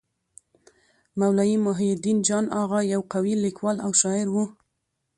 مولوي محی الدين جان اغا يو قوي لیکوال او شاعر وو.